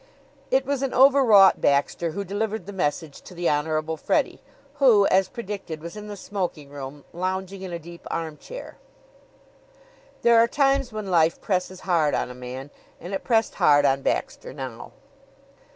It was an overwrought Baxter who delivered the message to the Honorable Freddie, who, as predicted, was in the smoking room, lounging in a deep armchair. There are times when life presses hard on a man, and it pressed hard on Baxter now.